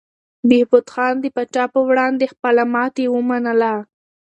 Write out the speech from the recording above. بهبود خان د پاچا په وړاندې خپله ماتې ومنله.